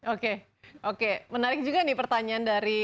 oke oke menarik juga nih pertanyaan dari